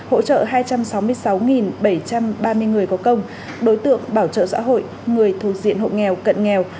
hỗ trợ hai trăm sáu mươi sáu bảy trăm ba mươi người có công đối tượng bảo trợ xã hội người thuộc diện hộ nghèo cận nghèo